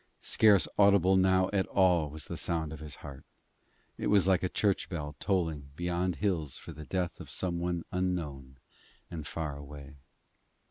Scarce audible now at all was the sound of his heart: it was like a church bell tolling beyond hills for the death of some one unknown and far away.